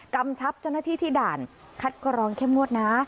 กำชับเจ้าหน้าที่ที่ด่านคัดกรองเข้มงวดนะ